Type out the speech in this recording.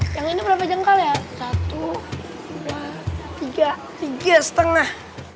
yang ini berapa jangka ya satu ratus tiga puluh tiga setengah